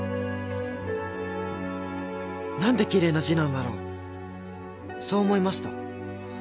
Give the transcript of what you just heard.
何て奇麗な字なんだろうそう思いました。